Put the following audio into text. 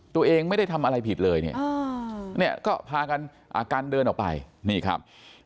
ตัวเองไม่ได้ทำอะไรผิดเลยเนี่ยก็พากันเดินออกไปนี่ครับ